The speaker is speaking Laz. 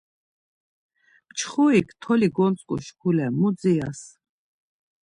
Mçxurik toli gontzǩu şkule mu dziras?